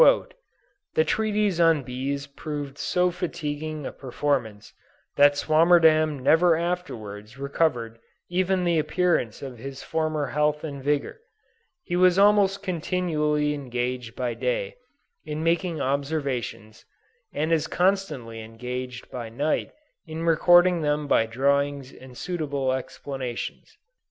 "This treatise on Bees proved so fatiguing a performance, that Swammerdam never afterwards recovered even the appearance of his former health and vigor. He was almost continually engaged by day in making observations, and as constantly engaged by night in recording them by drawings and suitable explanations."